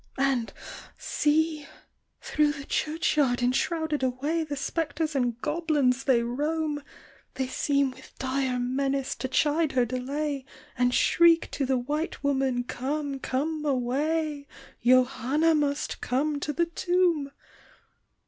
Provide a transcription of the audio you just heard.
And see! thro' the church yard in shrouded array The spectres and goblins they roam ; They seem with dire menace to chide her delay, And shriek to the white woman, Come, come away, Johanna must come to the tomb